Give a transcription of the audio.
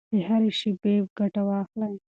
له هرې شېبې ګټه واخلئ.